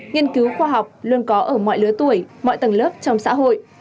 nghiên cứu khoa học luôn có ở mọi lứa tuổi mọi tầng lớp trong xã hội